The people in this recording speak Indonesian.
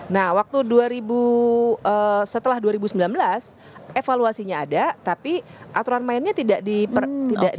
nah waktu setelah dua ribu sembilan belas evaluasinya ada tapi aturan mainnya tidak